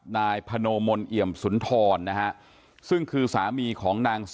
นายพโนมลเอี่ยมสุนทรนะฮะซึ่งคือสามีของนาง